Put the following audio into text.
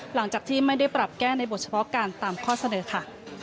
หลังจากที่ไม่ได้ปรับแก้ในบทเฉพาะการตามข้อเสนอค่ะ